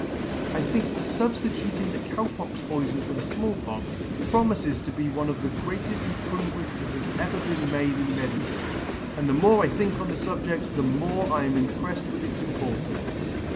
I think the Sub stituting the Cow pox poifon for the Small Pox, promifes to be one of the greateft improvements that has ever been made in medicine ; and the more I think on the fubjedt, the more I am impreSTed with its importance.